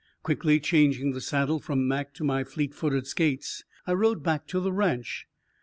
Quickly changing the saddle from Mac to my fleet footed Skates, I rode back to the ranch.